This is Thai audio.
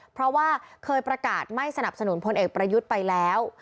เพราะว่าเคยประกาศไม่สนับสนุนพลเอกประยุทธ์ไปแล้ว